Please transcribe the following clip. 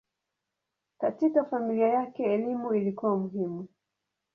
Katika familia yake elimu ilikuwa muhimu.